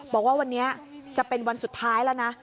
บอกว่าวันนี้จะเป็นวันสุดท้ายแล้วนะ